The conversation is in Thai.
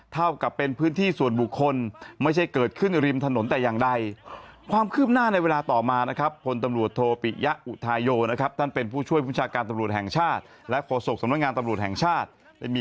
เท่ากับเป็นพื้นที่ส่วนบุคคลไม่ใช่เกิดขึ้นริมถนนแต่อย่างใด